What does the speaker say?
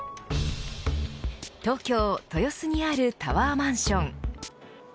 東京、豊洲にあるタワーマンション